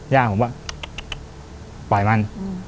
ย่าผมว่าปล่อยมัน